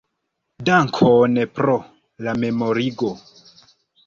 Dankon pro la memorigo.